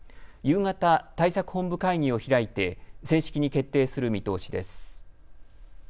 夕方、対策本部会議を開いて正式に決定する見通しです。